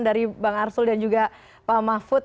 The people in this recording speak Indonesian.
dari bang arsul dan juga pak mahfud